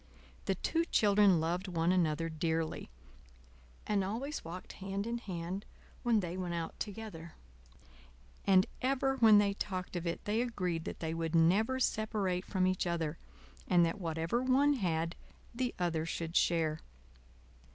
The two children loved one another dearly, and always walked hand in hand when they went out together; and ever when they talked of it they agreed that they would never separate from each other, and that whatever one had the other should share.